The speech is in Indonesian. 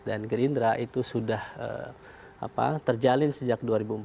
dan gerindra itu sudah terjalin sejak dua ribu empat belas